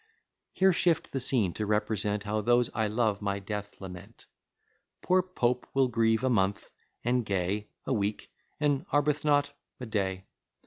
Here shift the scene, to represent How those I love my death lament. Poor Pope will grieve a month, and Gay A week, and Arbuthnot a day.